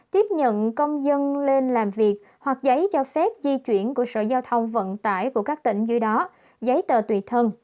tiếp nhận công dân lên làm việc hoặc giấy cho phép di chuyển của sở giao thông vận tải của các tỉnh dưới đó giấy tờ tùy thân